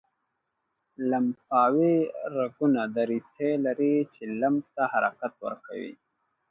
لمفاوي رګونه دریڅې لري چې لمف ته حرکت ورکوي.